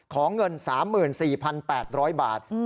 ของเงินสามหมื่นสี่พันแปดร้อยบาทอืม